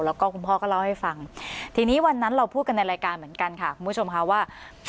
แล้วก็คุณพ่อก็เล่าให้ฟังทีนี้วันนั้นเราพูดกันในรายการเหมือนกันค่ะคุณผู้ชมค่ะว่า